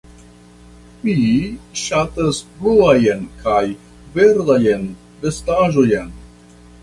Mi ŝatas bluajn kaj verdajn vestaĵojn.